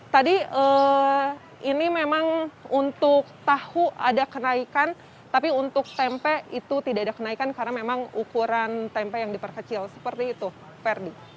tadi ini memang untuk tahu ada kenaikan tapi untuk tempe itu tidak ada kenaikan karena memang ukuran tempe yang diperkecil seperti itu ferdi